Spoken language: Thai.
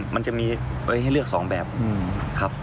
มันจะมีให้เลือก๒แบบครับ